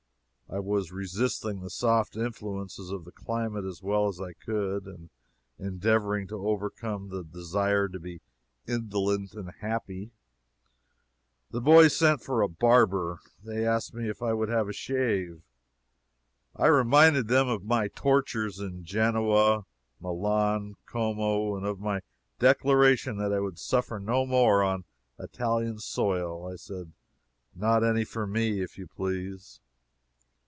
I was resisting the soft influences of the climate as well as I could, and endeavoring to overcome the desire to be indolent and happy. The boys sent for a barber. They asked me if I would be shaved. I reminded them of my tortures in Genoa, Milan, Como; of my declaration that I would suffer no more on Italian soil. I said "Not any for me, if you please."